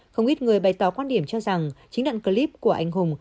không ít người bày tỏ quan điểm cho rằng chính đoạn clip của anh hùng